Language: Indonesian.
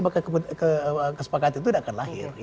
maka kesepakatan itu tidak akan lahir